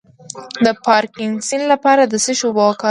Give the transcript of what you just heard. د پارکینسن لپاره د څه شي اوبه وکاروم؟